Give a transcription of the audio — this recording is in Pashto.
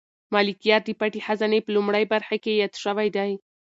ملکیار د پټې خزانې په لومړۍ برخه کې یاد شوی دی.